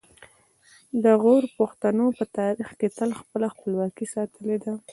د غور پښتنو په تاریخ کې تل خپله خپلواکي ساتلې ده